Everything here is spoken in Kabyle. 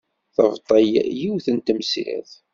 Tebṭel yiwet n temsirt.